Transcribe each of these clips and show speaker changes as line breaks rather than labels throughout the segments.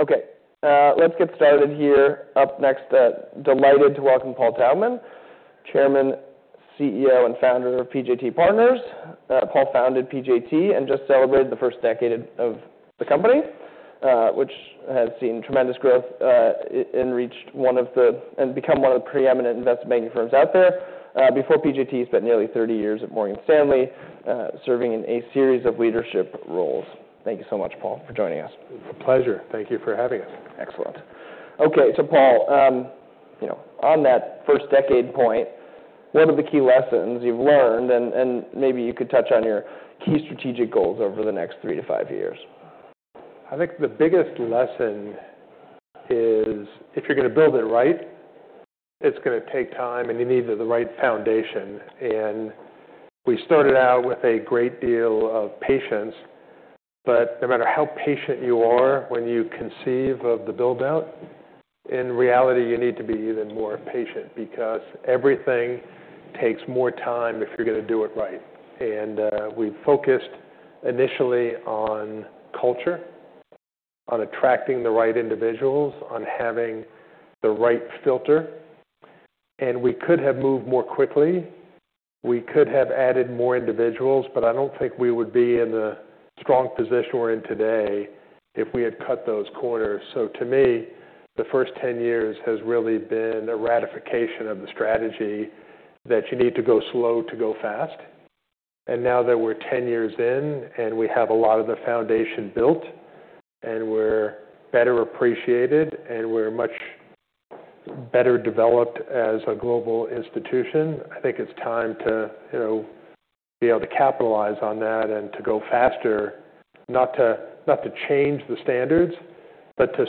Okay. Let's get started here. Up next, delighted to welcome Paul Taubman, Chairman, CEO, and founder of PJT Partners. Paul founded PJT and just celebrated the first decade of the company, which has seen tremendous growth and become one of the preeminent investment banking firms out there. Before PJT, he spent nearly 30 years at Morgan Stanley, serving in a series of leadership roles. Thank you so much, Paul, for joining us.
A pleasure. Thank you for having us.
Excellent. Okay. Paul on that first decade point, what are the key lessons you've learned? Maybe you could touch on your key strategic goals over the next three to five years.
The biggest lesson is if you're gonna build it right, it's gonna take time, and you need the right foundation. We started out with a great deal of patience. No matter how patient you are when you conceive of the build-out, in reality, you need to be even more patient because everything takes more time if you're gonna do it right. We focused initially on culture, on attracting the right individuals, on having the right filter. We could have moved more quickly. We could have added more individuals. I don't think we would be in the strong position we're in today if we had cut those corners. To me, the first 10 years has really been a ratification of the strategy that you need to go slow to go fast. Now that we're 10 years in and we have a lot of the foundation built and we're better appreciated and we're much better developed as a global institution, it's time to be able to capitalize on that and to go faster not to change the standards, but to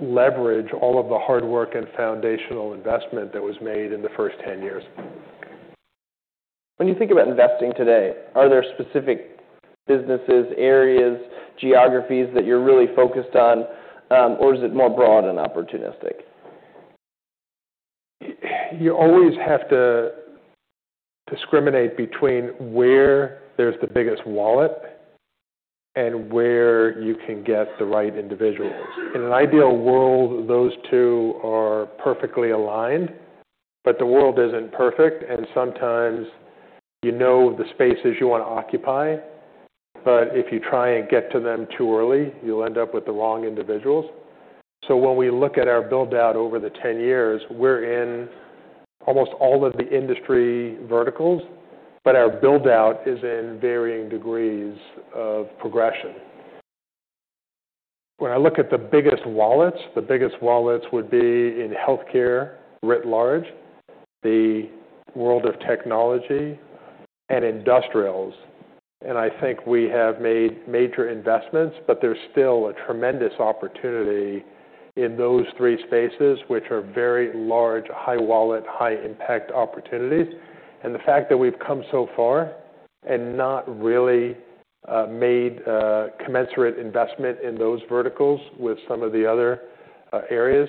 leverage all of the hard work and foundational investment that was made in the first 10 years.
When you think about investing today, are there specific businesses, areas, geographies that you're really focused on, or is it more broad and opportunistic?
You always have to discriminate between where there's the biggest wallet and where you can get the right individuals. In an ideal world, those two are perfectly aligned. The world isn't perfect and sometimes the spaces you wanna occupy. If you try and get to them too early, you'll end up with the wrong individuals. When we look at our build-out over the 10 years, we're in almost all of the industry verticals. Our build-out is in varying degrees of progression. When I look at the biggest wallets, the biggest wallets would be in healthcare writ large, the world of technology, and industrials. We have made major investments. There's still a tremendous opportunity in those three spaces, which are very large, high-wallet, high-impact opportunities. The fact that we've come so far and not really made commensurate investment in those verticals with some of the other areas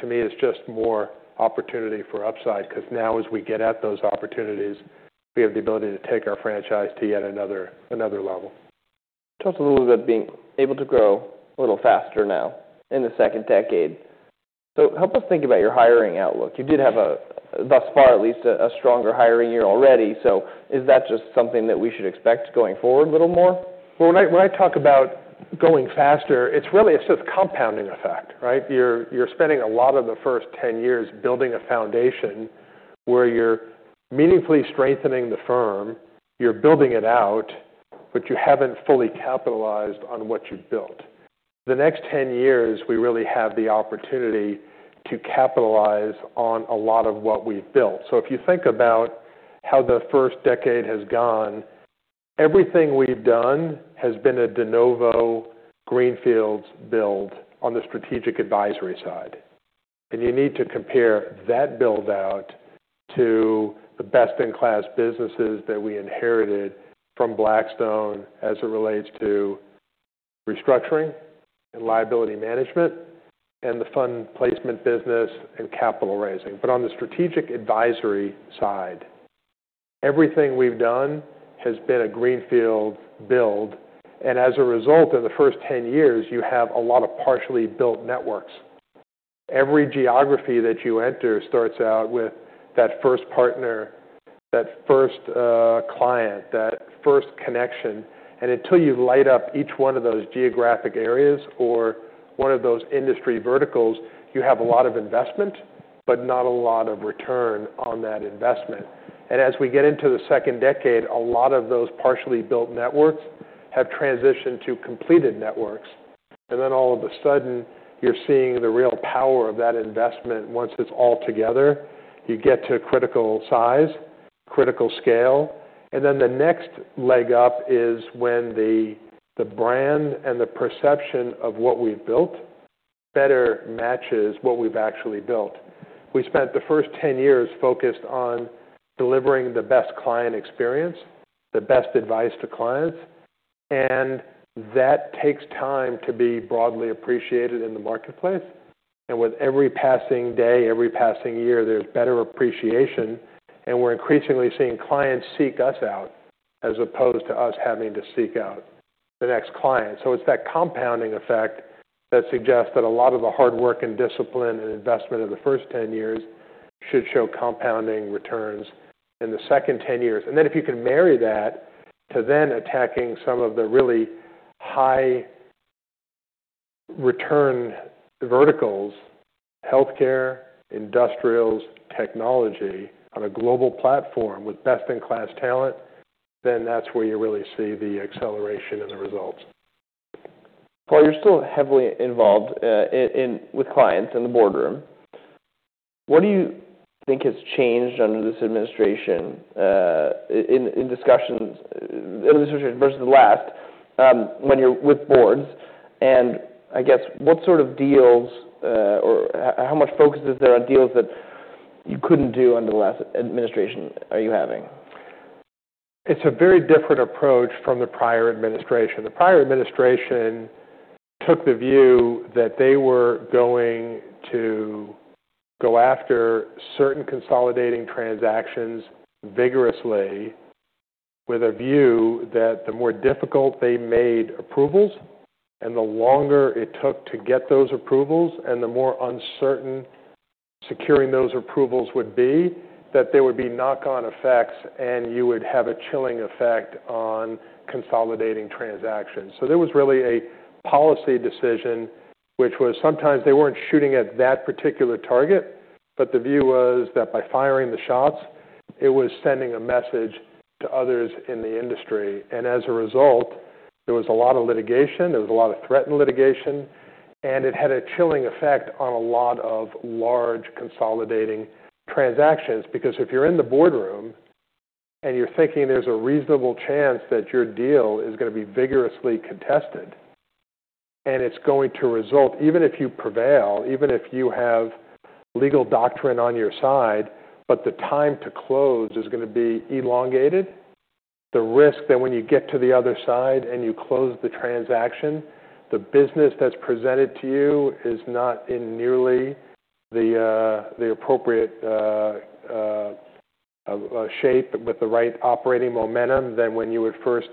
to me, is just more opportunity for upside. 'Cause now, as we get at those opportunities, we have the ability to take our franchise to yet another level.
Talked a little bit about being able to grow a little faster now in the second decade. Help us think about your hiring outlook. You did have, thus far, at least a stronger hiring year already. Is that just something that we should expect going forward a little more?
When I talk about going faster, it's really just a compounding effect, right? You're spending a lot of the first 10 years building a foundation where you're meaningfully strengthening the firm. You're building it out. You haven't fully capitalized on what you've built. The next 10 years, we really have the opportunity to capitalize on a lot of what we've built. If you think about how the first decade has gone, everything we've done has been a de novo Greenfields build on the strategic advisory side. You need to compare that build-out to the best-in-class businesses that we inherited from Blackstone as it relates to restructuring and liability management and the fund placement business and capital raising. On the strategic advisory side, everything we've done has been a Greenfields build. As a result, in the first 10 years, you have a lot of partially built networks. Every geography that you enter starts out with that first partner, that first client, that first connection. Until you light up each one of those geographic areas or one of those industry verticals, you have a lot of investment but not a lot of return on that investment. As we get into the second decade, a lot of those partially built networks have transitioned to completed networks. All of a sudden, you're seeing the real power of that investment once it's all together. You get to critical size, critical scale. The next leg up is when the brand and the perception of what we've built better matches what we've actually built. We spent the first 10 years focused on delivering the best client experience, the best advice to clients. That takes time to be broadly appreciated in the marketplace. With every passing day, every passing year, there's better appreciation. We're increasingly seeing clients seek us out as opposed to us having to seek out the next client. It's that compounding effect that suggests that a lot of the hard work and discipline and investment of the first 10 years should show compounding returns in the second 10 years. If you can marry that to then attacking some of the really high-return verticals, healthcare, industrials, technology on a global platform with best-in-class talent, then that's where you really see the acceleration and the results.
Paul, you're still heavily involved in with clients in the boardroom. What do you think has changed under this administration in discussions in this administration versus the last, when you're with boards? What deals, or how much focus is there on deals that you couldn't do under the last administration are you having?
It's a very different approach from the prior administration. The prior administration took the view that they were going to go after certain consolidating transactions vigorously with a view that the more difficult they made approvals and the longer it took to get those approvals and the more uncertain securing those approvals would be, that there would be knock-on effects and you would have a chilling effect on consolidating transactions, so there was really a policy decision, which was sometimes they weren't shooting at that particular target, but the view was that by firing the shots, it was sending a message to others in the industry, and as a result, there was a lot of litigation, there was a lot of threatened litigation, and it had a chilling effect on a lot of large consolidating transactions. If you're in the boardroom and you're thinking there's a reasonable chance that your deal is gonna be vigorously contested and it's going to result, even if you prevail, even if you have legal doctrine on your side, but the time to close is gonna be elongated, the risk that when you get to the other side and you close the transaction, the business that's presented to you is not in nearly the appropriate shape with the right operating momentum than when you had first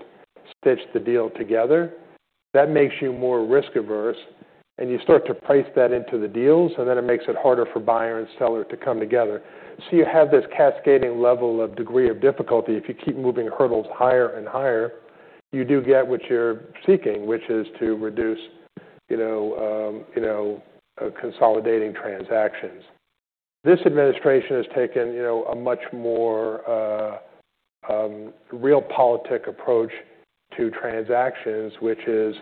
stitched the deal together, that makes you more risk-averse. You start to price that into the deals. It makes it harder for buyer and seller to come together. You have this cascading level of degree of difficulty. If you keep moving hurdles higher and higher, you do get what you're seeking, which is to reduce consolidating transactions. This administration has taken a much more realpolitik approach to transactions, which is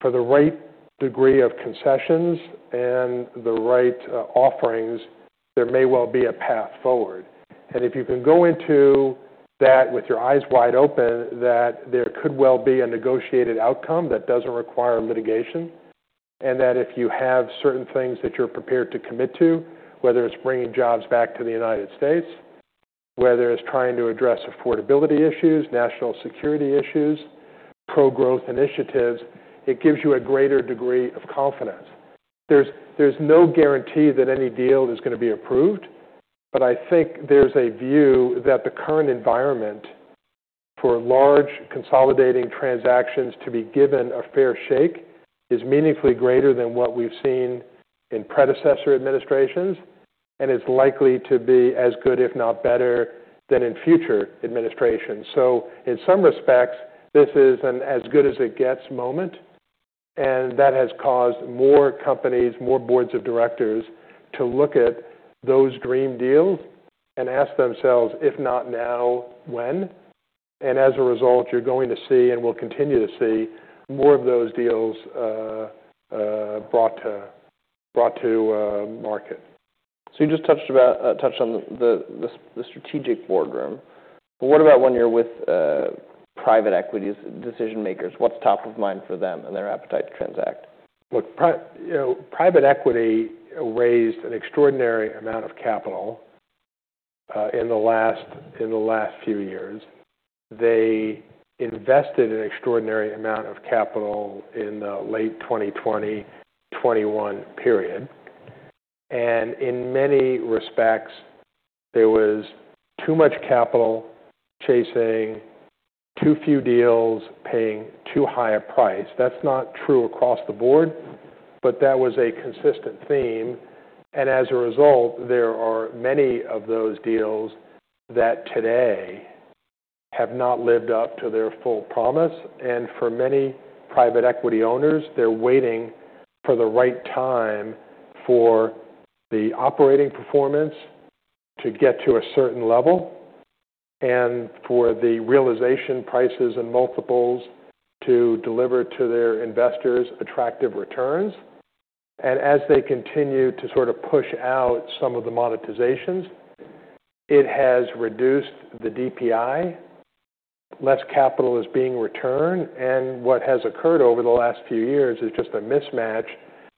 for the right degree of concessions and the right offerings, there may well be a path forward, and if you can go into that with your eyes wide open, that there could well be a negotiated outcome that doesn't require litigation, and that if you have certain things that you're prepared to commit to, whether it's bringing jobs back to the United States, whether it's trying to address affordability issues, national security issues, pro-growth initiatives, it gives you a greater degree of confidence. There's no guarantee that any deal is gonna be approved. There's a view that the current environment for large consolidating transactions to be given a fair shake is meaningfully greater than what we've seen in predecessor administrations. It's likely to be as good, if not better, than in future administrations. In some respects, this is an as-good-as-it-gets moment. That has caused more companies, more boards of directors to look at those dream deals and ask themselves, "If not now, when?" As a result, you're going to see and will continue to see more of those deals brought to market.
You just touched on the strategic boardroom. What about when you're with private equity's decision-makers? What's top of mind for them and their appetite to transact?
Private equity raised an extraordinary amount of capital in the last few years. They invested an extraordinary amount of capital in the late 2020, 2021 period. In many respects, there was too much capital chasing too few deals, paying too high a price. That's not true across the board. That was a consistent theme. As a result, there are many of those deals that today have not lived up to their full promise. For many private equity owners, they're waiting for the right time for the operating performance to get to a certain level and for the realization prices and multiples to deliver to their investors attractive returns. As they continue to push out some of the monetizations, it has reduced the DPI. Less capital is being returned. What has occurred over the last few years is just a mismatch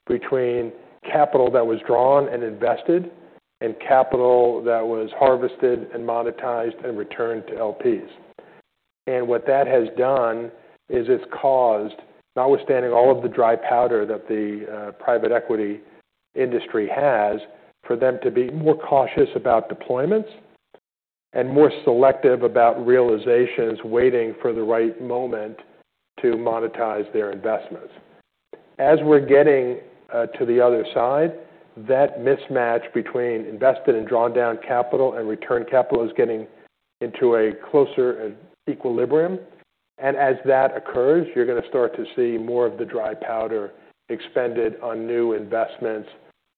between capital that was drawn and invested and capital that was harvested and monetized and returned to LPs. What that has done is it's caused, notwithstanding all of the dry powder that the private equity industry has, for them to be more cautious about deployments and more selective about realizations, waiting for the right moment to monetize their investments. As we're getting to the other side, that mismatch between invested and drawn-down capital and returned capital is getting into a closer equilibrium. As that occurs, you're gonna start to see more of the dry powder expended on new investments,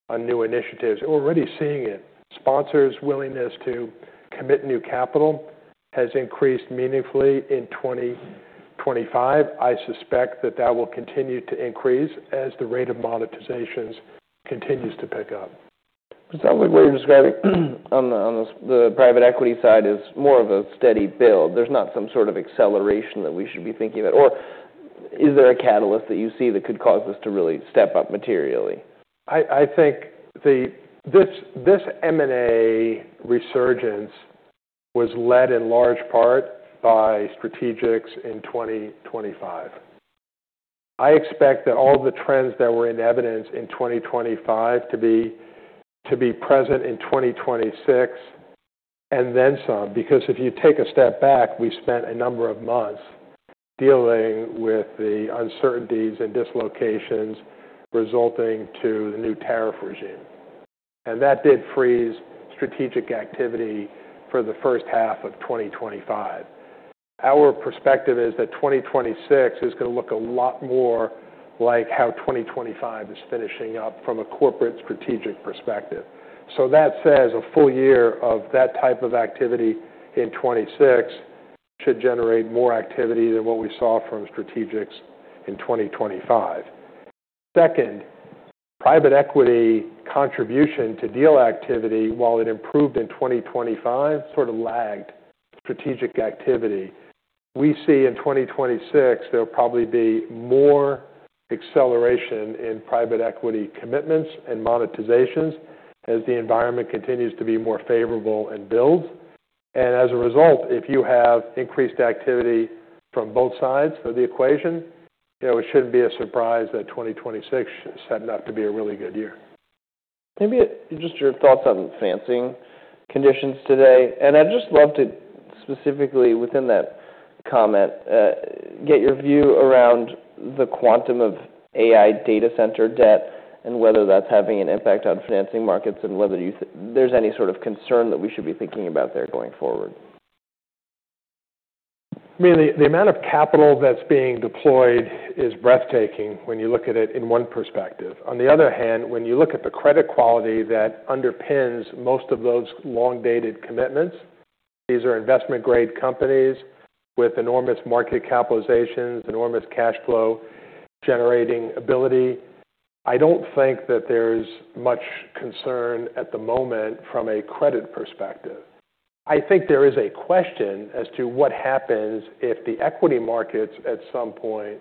on new initiatives. We're already seeing it. Sponsors' willingness to commit new capital has increased meaningfully in 2025. I suspect that that will continue to increase as the rate of monetizations continues to pick up.
Sounds like what you're describing on the private equity side is more of a steady build. There's not some acceleration that we should be thinking of. Is there a catalyst that you see that could cause this to really step up materially?
This M&A resurgence was led in large part by strategics in 2025. I expect that all the trends that were in evidence in 2025 to be present in 2026 and then some. If you take a step back, we spent a number of months dealing with the uncertainties and dislocations resulting to the new tariff regime, and that did freeze strategic activity for the first half of 2025. Our perspective is that 2026 is gonna look a lot more like how 2025 is finishing up from a corporate strategic perspective, so that says a full year of that type of activity in 2026 should generate more activity than what we saw from strategics in 2025. Second, private equity contribution to deal activity, while it improved in 2025, lagged strategic activity. We see in 2026 there'll probably be more acceleration in private equity commitments and monetizations as the environment continues to be more favorable and builds and as a result, if you have increased activity from both sides of the equation it shouldn't be a surprise that 2026 is set not to be a really good year.
Maybe just your thoughts on financing conditions today, and I'd just love to, specifically within that comment, get your view around the quantum of AI data center debt and whether that's having an impact on financing markets and whether there's any concern that we should be thinking about there going forward.
The amount of capital that's being deployed is breathtaking when you look at it in one perspective. On the other hand, when you look at the credit quality that underpins most of those long-dated commitments, these are investment-grade companies with enormous market capitalizations, enormous cash flow-generating ability. I don't think that there's much concern at the moment from a credit perspective. There is a question as to what happens if the equity markets at some point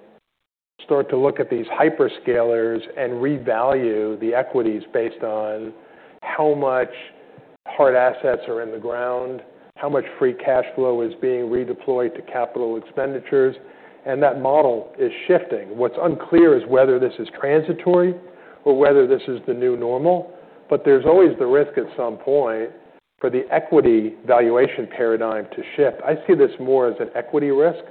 start to look at these Hyperscalers and revalue the equities based on how much hard assets are in the ground, how much free cash flow is being redeployed to capital expenditures. That model is shifting. What's unclear is whether this is transitory or whether this is the new normal. There's always the risk at some point for the equity valuation paradigm to shift. I see this more as an equity risk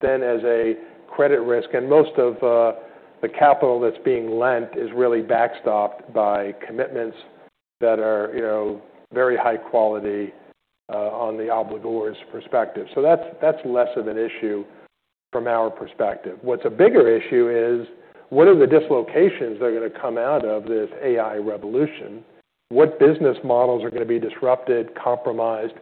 than as a credit risk. Most of the capital that's being lent is really backstopped by commitments that are very high quality, on the obligor's perspective. That's less of an issue from our perspective. What's a bigger issue is what are the dislocations that are gonna come out of this AI revolution? What business models are gonna be disrupted, compromised,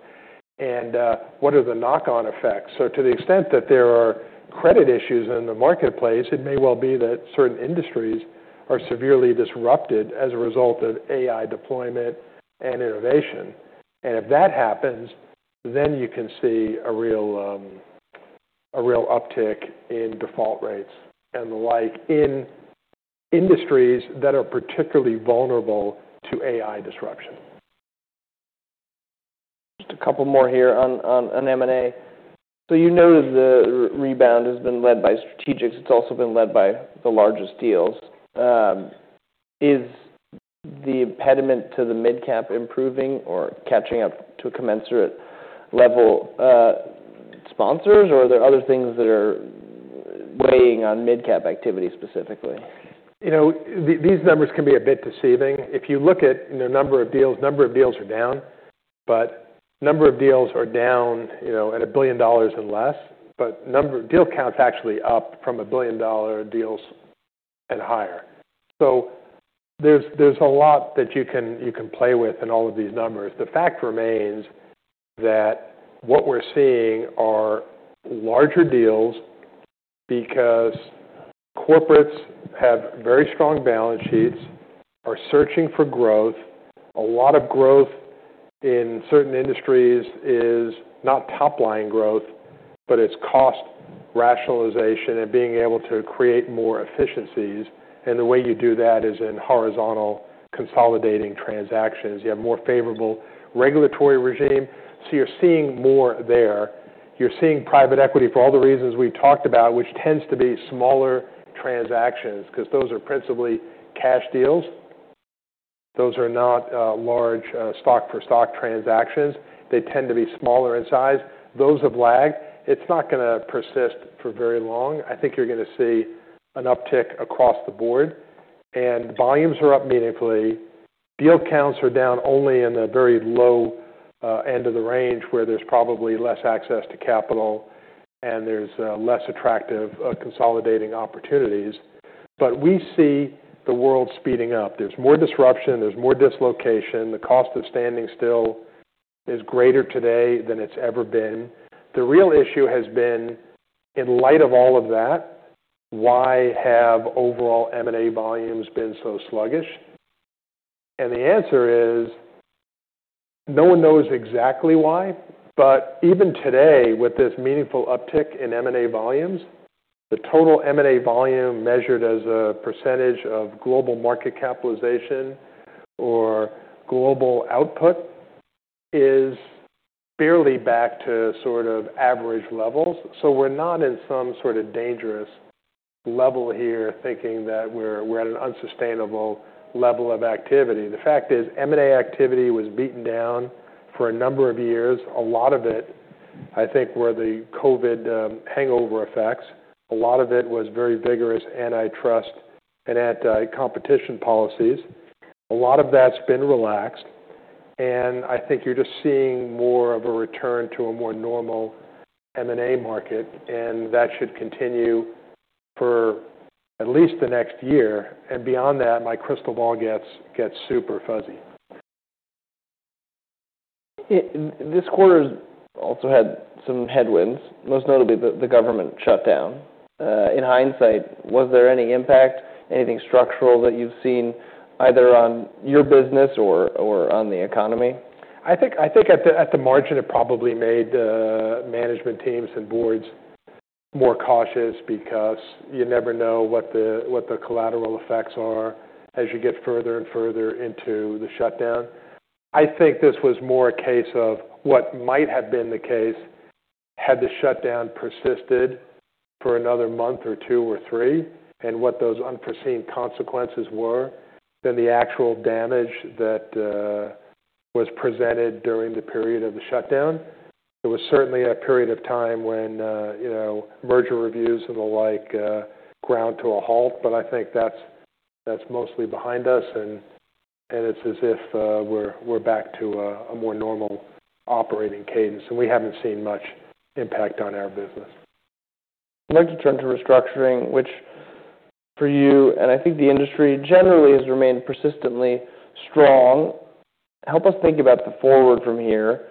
and what are the knock-on effects? To the extent that there are credit issues in the marketplace, it may well be that certain industries are severely disrupted as a result of AI deployment and innovation. If that happens, then you can see a real uptick in default rates and the like in industries that are particularly vulnerable to AI disruption.
Just a couple more here on M&A. The rebound has been led by strategics. It's also been led by the largest deals. Is the impediment to the mid-cap improving or catching up to a commensurate level, sponsors? Or are there other things that are weighing on mid-cap activity specifically?
These numbers can be a bit deceiving. If you look at number of deals, number of deals are down. Number of deals are down at $1 billion and less. Number of deal count's actually up from $1 billion deals and higher. There's a lot that you can play with in all of these numbers. The fact remains that what we're seeing are larger deals because corporates have very strong balance sheets, are searching for growth. A lot of growth in certain industries is not top-line growth, but it's cost rationalization and being able to create more efficiencies. The way you do that is in horizontal consolidating transactions. You have more favorable regulatory regime. You're seeing more there. You're seeing private equity for all the reasons we talked about, which tends to be smaller transactions 'cause those are principally cash deals. Those are not large stock-for-stock transactions. They tend to be smaller in size. Those have lagged. It's not gonna persist for very long. You're gonna see an uptick across the board. Volumes are up meaningfully. Deal counts are down only in the very low end of the range where there's probably less access to capital and there's less attractive consolidating opportunities. We see the world speeding up. There's more disruption. There's more dislocation. The cost of standing still is greater today than it's ever been. The real issue has been, in light of all of that, why have overall M&A volumes been so sluggish? The answer is no one knows exactly why. Even today, with this meaningful uptick in M&A volumes, the total M&A volume measured as a percentage of global market capitalization or global output is barely back to average levels. We're not in some dangerous level here thinking that we're at an unsustainable level of activity. The fact is M&A activity was beaten down for a number of years. A lot of it were the COVID hangover effects. A lot of it was very vigorous antitrust and anti-competition policies. A lot of that's been relaxed. You're just seeing more of a return to a more normal M&A market. That should continue for at least the next year. Beyond that, my crystal ball gets super fuzzy.
This quarter's also had some headwinds, most notably the government shutdown. In hindsight, was there any impact, anything structural that you've seen either on your business or on the economy?
At the margin, it probably made management teams and boards more cautious because you never know what the collateral effects are as you get further and further into the shutdown. This was more a case of what might have been the case had the shutdown persisted for another month or two or three and what those unforeseen consequences were than the actual damage that was presented during the period of the shutdown. There was certainly a period of time when merger reviews and the like, ground to a halt, but that's mostly behind us, and it's as if we're back to a more normal operating cadence, and we haven't seen much impact on our business.
Led to terms of restructuring, which for you and the industry generally has remained persistently strong. Help us think about the forward from here.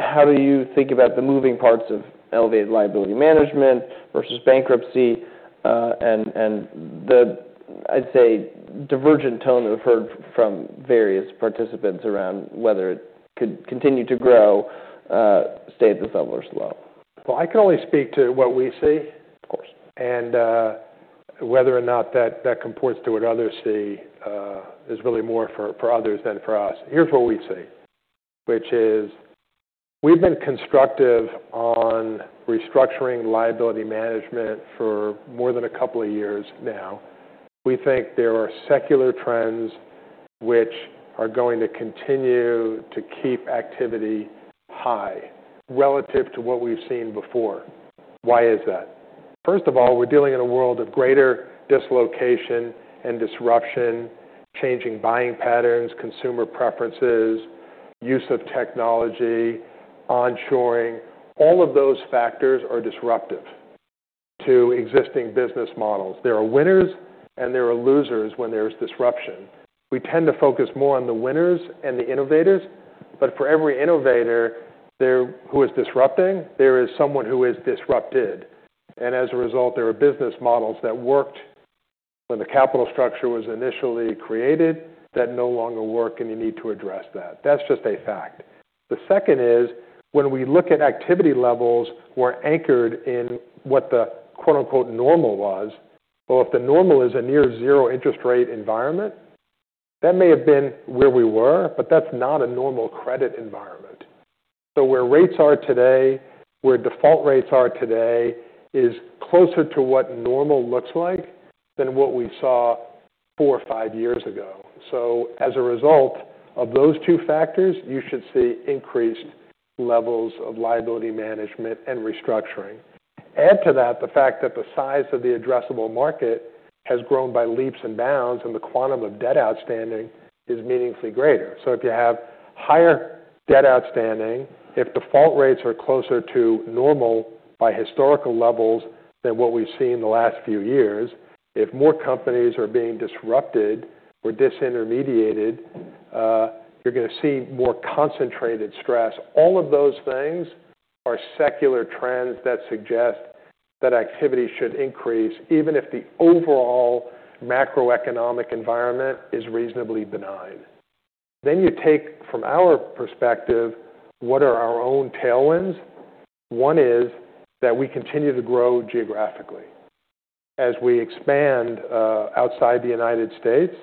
How do you think about the moving parts of elevated liability management versus bankruptcy, and the, I'd say, divergent tone that we've heard from various participants around whether it could continue to grow, stay at this level or slow?
I can only speak to what we see. Whether or not that comports to what others see is really more for others than for us. Here's what we see, which is we've been constructive on restructuring liability management for more than a couple of years now. There are secular trends which are going to continue to keep activity high relative to what we've seen before. Why is that? First of all, we're dealing in a world of greater dislocation and disruption, changing buying patterns, consumer preferences, use of technology, onshoring. All of those factors are disruptive to existing business models. There are winners and there are losers when there's disruption. We tend to focus more on the winners and the innovators. For every innovator there who is disrupting, there is someone who is disrupted. As a result, there are business models that worked when the capital structure was initially created that no longer work, and you need to address that. That's just a fact. The second is when we look at activity levels were anchored in what the "normal" was. If the normal is a near-zero interest rate environment, that may have been where we were. That's not a normal credit environment. Where rates are today, where default rates are today, is closer to what normal looks like than what we saw four or five years ago. As a result of those two factors, you should see increased levels of liability management and restructuring. Add to that the fact that the size of the addressable market has grown by leaps and bounds and the quantum of debt outstanding is meaningfully greater. If you have higher debt outstanding, if default rates are closer to normal by historical levels than what we've seen the last few years, if more companies are being disrupted or disintermediated, you're gonna see more concentrated stress. All of those things are secular trends that suggest that activity should increase even if the overall macroeconomic environment is reasonably benign. You take from our perspective, what are our own tailwinds? One is that we continue to grow geographically. As we expand outside the United States,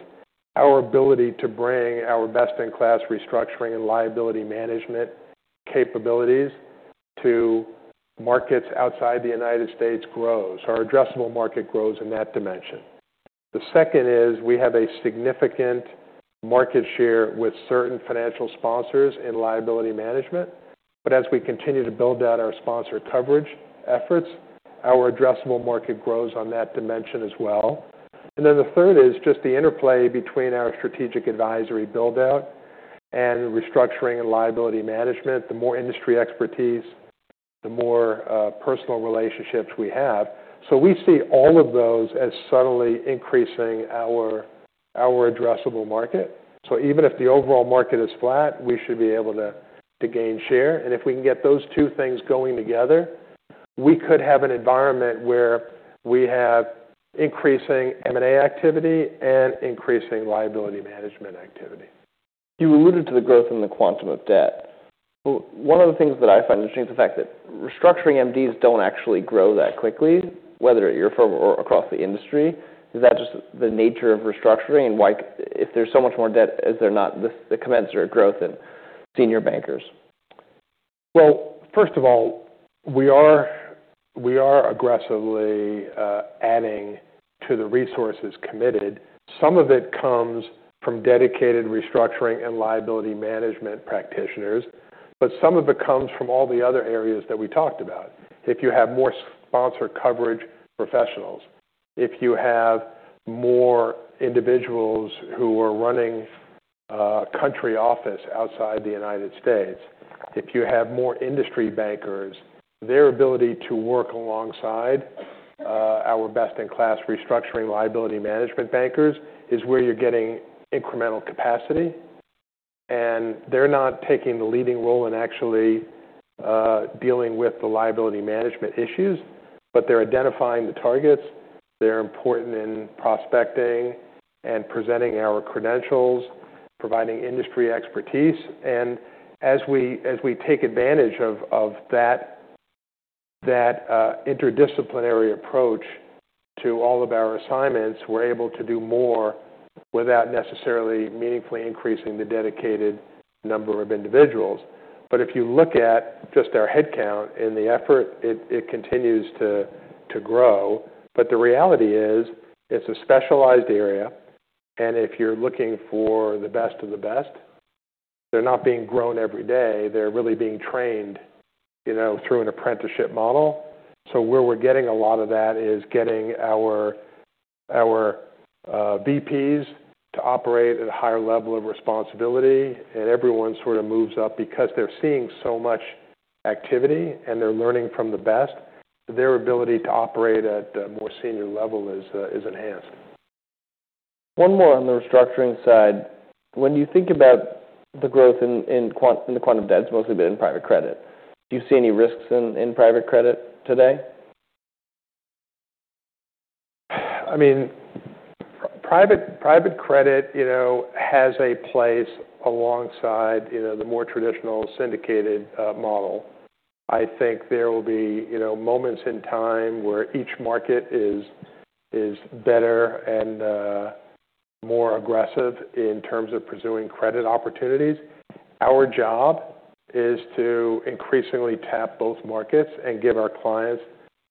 our ability to bring our best-in-class restructuring and liability management capabilities to markets outside the United States grows. Our addressable market grows in that dimension. The second is we have a significant market share with certain financial sponsors in liability management. As we continue to build out our sponsor coverage efforts, our addressable market grows on that dimension as well. The third is just the interplay between our strategic advisory buildout and restructuring and liability management. The more industry expertise, the more personal relationships we have. We see all of those as subtly increasing our addressable market. Even if the overall market is flat, we should be able to gain share. If we can get those two things going together, we could have an environment where we have increasing M&A activity and increasing liability management activity.
You alluded to the growth in the quantum of debt. One of the things that I find interesting is the fact that restructuring MDs don't actually grow that quickly, whether at your firm or across the industry. Is that just the nature of restructuring and why if there's so much more debt, is there not the commensurate growth in senior bankers?
First of all, we are aggressively adding to the resources committed. Some of it comes from dedicated restructuring and liability management practitioners. Some of it comes from all the other areas that we talked about. If you have more sponsor coverage professionals, if you have more individuals who are running country offices outside the United States, if you have more industry bankers, their ability to work alongside our best-in-class restructuring and liability management bankers is where you're getting incremental capacity. They're not taking the leading role in actually dealing with the liability management issues. They're identifying the targets. They're important in prospecting and presenting our credentials, providing industry expertise. As we take advantage of that interdisciplinary approach to all of our assignments, we're able to do more without necessarily meaningfully increasing the dedicated number of individuals. If you look at just our headcount in the effort, it continues to grow. The reality is it's a specialized area. If you're looking for the best of the best, they're not being grown every day. They're really being trained through an apprenticeship model. Where we're getting a lot of that is getting our VPs to operate at a higher level of responsibility. Everyone moves up because they're seeing so much activity and they're learning from the best. Their ability to operate at a more senior level is enhanced.
One more on the restructuring side. When you think about the growth in the quantum of debt, it's mostly been in private credit. Do you see any risks in private credit today?
Private credit has a place alongside the more traditional syndicated model. There will be moments in time where each market is better and more aggressive in terms of pursuing credit opportunities. Our job is to increasingly tap both markets and give our clients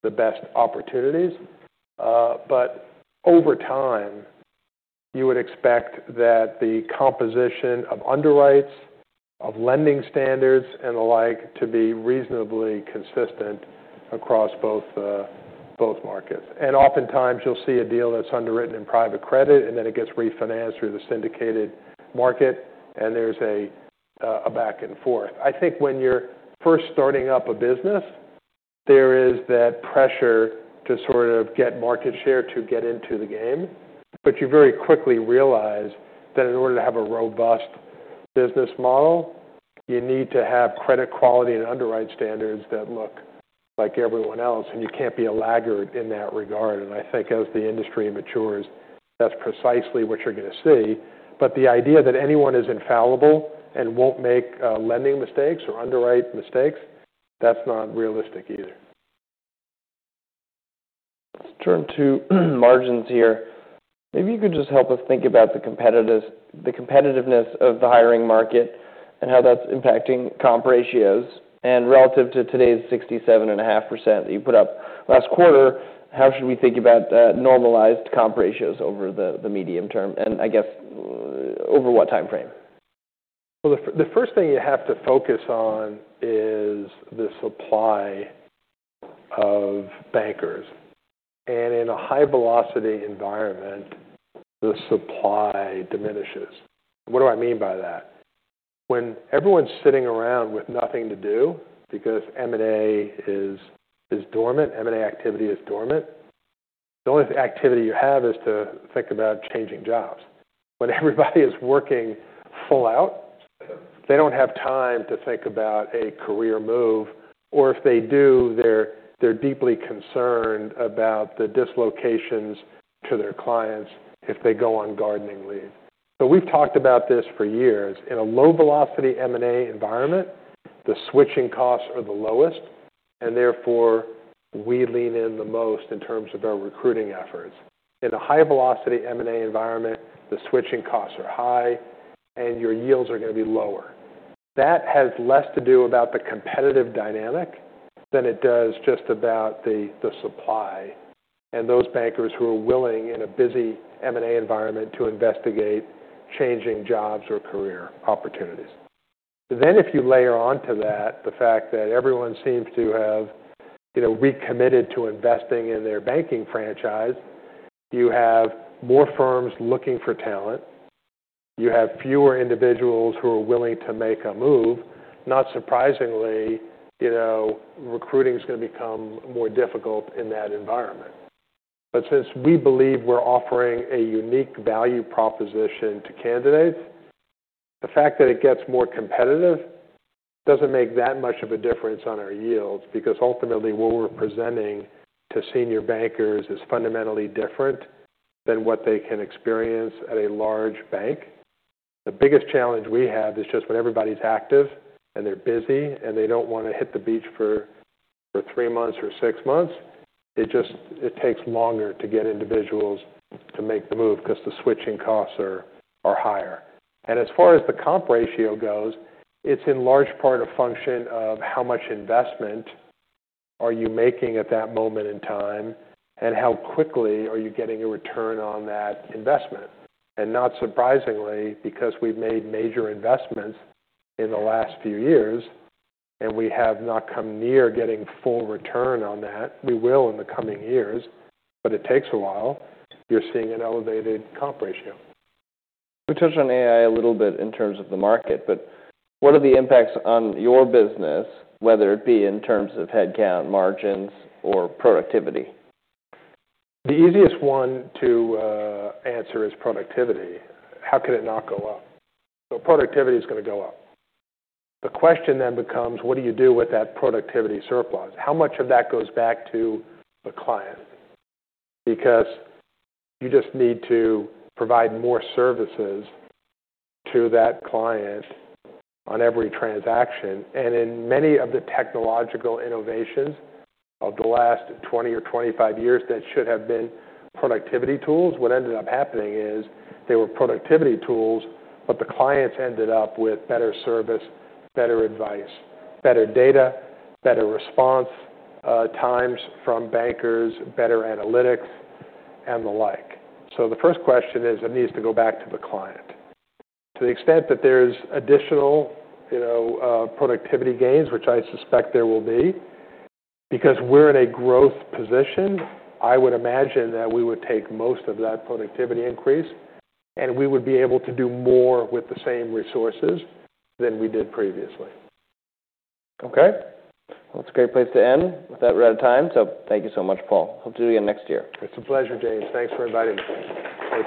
the best opportunities. Over time, you would expect that the composition of underwrites, of lending standards, and the like to be reasonably consistent across both markets. Oftentimes, you'll see a deal that's underwritten in private credit and then it gets refinanced through the syndicated market. There's a back and forth. When you're first starting up a business, there is that pressure to get market share to get into the game. You very quickly realize that in order to have a robust business model, you need to have credit quality and underwrite standards that look like everyone else. You can't be a laggard in that regard. As the industry matures, that's precisely what you're gonna see. The idea that anyone is infallible and won't make, lending mistakes or underwrite mistakes, that's not realistic either.
Let's turn to margins here. Maybe you could just help us think about the competitiveness of the hiring market and how that's impacting comp ratios. Relative to today's 67.5% that you put up last quarter, how should we think about normalized comp ratios over the medium term? And over what timeframe?
The first thing you have to focus on is the supply of bankers, and in a high-velocity environment, the supply diminishes. What do I mean by that? When everyone's sitting around with nothing to do because M&A is dormant, M&A activity is dormant, the only activity you have is to think about changing jobs. When everybody is working full out, they don't have time to think about a career move. If they do, they're deeply concerned about the dislocations to their clients if they go on gardening leave. We've talked about this for years. In a low-velocity M&A environment, the switching costs are the lowest, and therefore, we lean in the most in terms of our recruiting efforts. In a high-velocity M&A environment, the switching costs are high and your yields are gonna be lower. That has less to do about the competitive dynamic than it does just about the supply and those bankers who are willing in a busy M&A environment to investigate changing jobs or career opportunities. If you layer onto that the fact that everyone seems to have recommitted to investing in their banking franchise, you have more firms looking for talent. You have fewer individuals who are willing to make a move. Not surprisingly recruiting's gonna become more difficult in that environment. Since we believe we're offering a unique value proposition to candidates, the fact that it gets more competitive doesn't make that much of a difference on our yields because ultimately what we're presenting to senior bankers is fundamentally different than what they can experience at a large bank. The biggest challenge we have is just when everybody's active and they're busy and they don't wanna hit the beach for three months or six months. It just takes longer to get individuals to make the move 'cause the switching costs are higher. As far as the comp ratio goes, it's in large part a function of how much investment are you making at that moment in time and how quickly are you getting a return on that investment. Not surprisingly, because we've made major investments in the last few years and we have not come near getting full return on that, we will in the coming years. It takes a while. You're seeing an elevated comp ratio.
We touched on AI a little bit in terms of the market. What are the impacts on your business, whether it be in terms of headcount, margins, or productivity?
The easiest one to answer is productivity. How could it not go up? Productivity's gonna go up. The question then becomes, what do you do with that productivity surplus? How much of that goes back to the client? You just need to provide more services to that client on every transaction. In many of the technological innovations of the last 20 or 25 years that should have been productivity tools, what ended up happening is they were productivity tools, but the clients ended up with better service, better advice, better data, better response times from bankers, better analytics, and the like. The first question is it needs to go back to the client. To the extent that there's additional productivity gains, which I suspect there will be, because we're in a growth position, I would imagine that we would take most of that productivity increase and we would be able to do more with the same resources than we did previously.
Okay. Well, that's a great place to end with that. We're out of time. Thank you so much, Paul. Hope to see you again next year.
It's a pleasure, James. Thanks for inviting me.